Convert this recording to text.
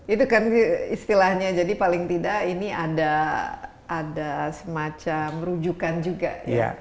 itu kan istilahnya jadi paling tidak ini ada semacam rujukan juga ya